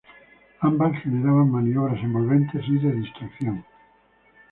Ambas generaban maniobras envolventes y de distracción.